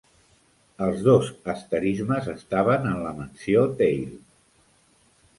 Els dos asterismes estaven en la mansió "Tail".